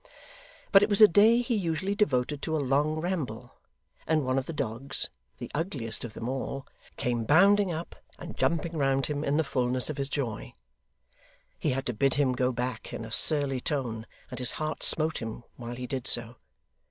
But it was a day he usually devoted to a long ramble, and one of the dogs the ugliest of them all came bounding up, and jumping round him in the fulness of his joy. He had to bid him go back in a surly tone, and his heart smote him while he did so.